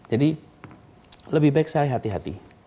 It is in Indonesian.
jadi lebih baik saya hati hati